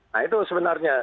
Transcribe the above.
nah itu sebenarnya